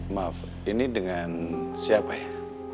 maaf ini dengan siapa ya